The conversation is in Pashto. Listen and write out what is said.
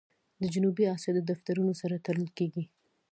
د جنوبي آسیا د دفترونو سره تړل کېږي.